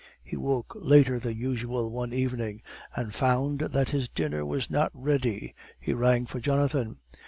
He woke later than usual one evening, and found that his dinner was not ready. He rang for Jonathan.